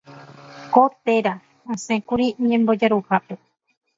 Ko téra osẽkuri ñembojaruhápe.